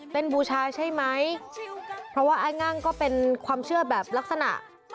เป็นบูชาใช่ไหมเพราะว่าไอ้งั่งก็เป็นความเชื่อแบบลักษณะ